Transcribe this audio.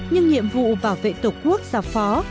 nhưng nhiệm vụ bảo vệ tổ quốc giáo phó